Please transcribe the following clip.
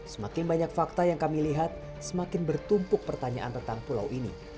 semakin banyak fakta yang kami lihat semakin bertumpuk pertanyaan tentang pulau ini